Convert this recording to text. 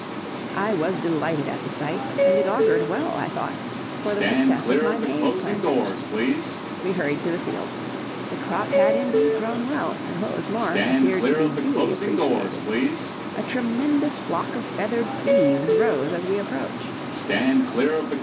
I was delighted at the sight, and it augured well, I thought, for the success of my maize plantation. We hurried to the field. The crop had indeed grown well, and, what was more, appeared to be duly appreciated. A tremendous flock of feathered thieves rose as we approached.